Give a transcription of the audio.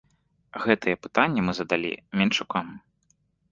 Гэтыя пытанні мы задалі менчукам.